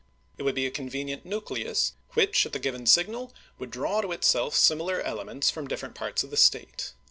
It would be a convenient nucleus which at the given signal would draw to itself similar elements from different parts of the State.